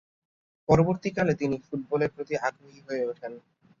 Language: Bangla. পরবর্তীকালে তিনি ফুটবলের প্রতি আগ্রহী হয়ে উঠেন।